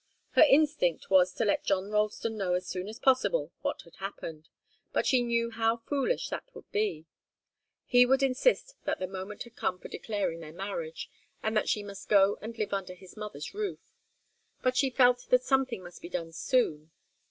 Her instinct was to let John Ralston know as soon as possible what had happened, but she knew how foolish that would be. He would insist that the moment had come for declaring their marriage, and that she must go and live under his mother's roof. But she felt that something must be done soon.